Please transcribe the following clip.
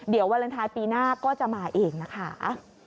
เดี๋ยววาเลนไทยปีหน้าก็จะมาเองนะคะ